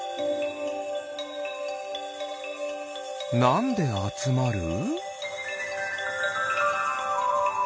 なんであつまる？